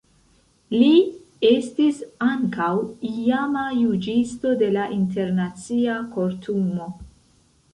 Li estis ankaŭ iama juĝisto de la Internacia Kortumo.